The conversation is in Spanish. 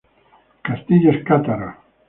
Castillos cátaros